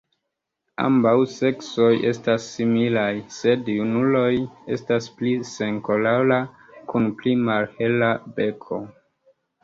Ambaŭ seksoj estas similaj, sed junuloj estas pli senkolora kun pli malhela beko.